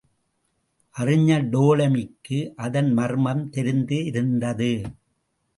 அறிஞர் டோலமிக்கு அதன் மர்மம் தெரிந்திருந்தது.